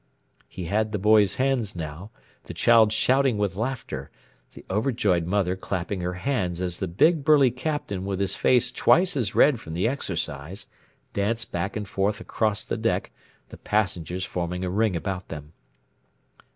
He had the boy's hands now, the child shouting with laughter, the overjoyed mother clapping her hands as the big burly Captain with his face twice as red from the exercise, danced back and forth across the deck, the passengers forming a ring about them.